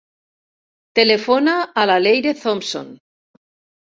Telefona a la Leyre Thompson.